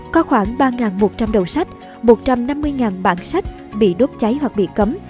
có khoảng ba một trăm linh đầu sách một trăm năm mươi bản sách bị đốt cháy hoặc bị cấm